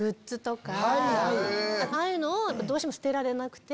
ああいうのをどうしても捨てられなくて。